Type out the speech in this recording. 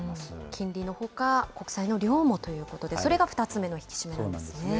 金利のほか、国債の量もということで、それが２つ目の引き締そうなんですね。